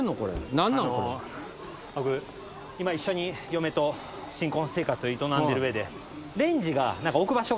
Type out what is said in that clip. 僕今一緒に嫁と新婚生活を営んでる上で。